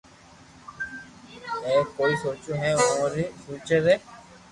بي ڪوئي سوچوو ھي اووہ ري فيوچر ري